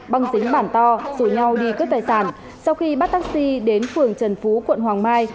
băng dính bản to rủ nhau đi cướp tài sản sau khi bắt taxi đến phường trần phú quận hoàng mai